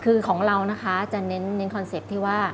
คือของเรานะคะจะเน้นคอนเซ็ปต์ที่ว่า